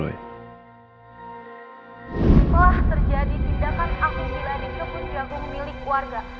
telah terjadi tindakan akun gila di kebun jagung milik warga